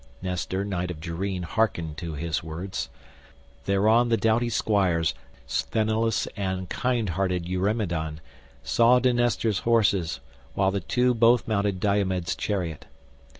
Nestor knight of Gerene hearkened to his words. Thereon the doughty squires, Sthenelus and kind hearted Eurymedon, saw to Nestor's horses, while the two both mounted Diomed's chariot.